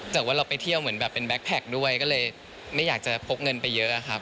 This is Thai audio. แต่ว่าเราไปเที่ยวเหมือนแบบเป็นแก๊แพคด้วยก็เลยไม่อยากจะพกเงินไปเยอะครับ